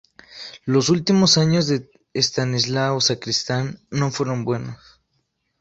Los últimos años de Estanislao Sacristán no fueron buenos.